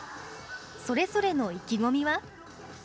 それぞれの意気込みは？